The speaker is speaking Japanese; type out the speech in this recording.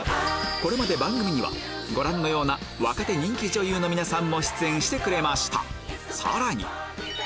これまで番組にはご覧のような若手人気女優の皆さんも出演してくれました